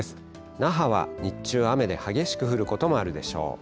那覇は日中雨で激しく降る所もあるでしょう。